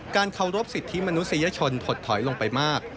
การเคารพสิทธิ์มนุษยชนถดถอยไปลงมาก